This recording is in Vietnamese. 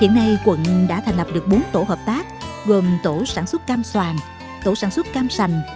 hiện nay quận đã thành lập được bốn tổ hợp tác gồm tổ sản xuất cam soàn tổ sản xuất cam sành